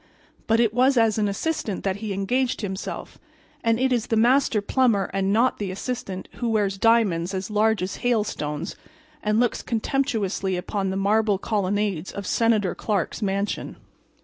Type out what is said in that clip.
But it was as an assistant that he engaged himself; and it is the master plumber and not the assistant, who wears diamonds as large as hailstones and looks contemptuously upon the marble colonnades of Senator Clark's mansion.